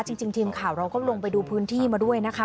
จริงทีมข่าวเราก็ลงไปดูพื้นที่มาด้วยนะคะ